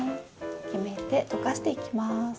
決めてとかしていきます。